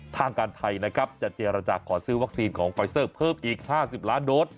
ทางการไทยนะครับจะเจรจาขอซื้อวัคซีนของไฟเซอร์เพิ่มอีก๕๐ล้านโดส